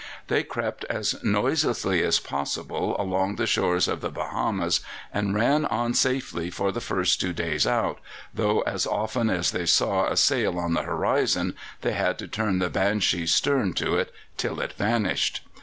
They crept as noiselessly as possible along the shores of the Bahamas, and ran on safely for the first two days out, though as often as they saw a sail on the horizon they had to turn the Banshee's stern to it till it vanished.